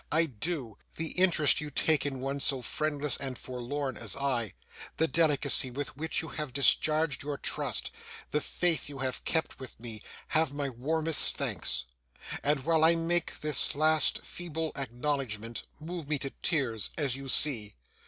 I do. The interest you take in one so friendless and forlorn as I, the delicacy with which you have discharged your trust, the faith you have kept with me, have my warmest thanks: and, while I make this last feeble acknowledgment, move me to tears, as you see.